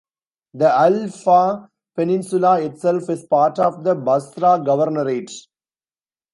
The Al Faw Peninsula itself is part of the Basrah Governorate.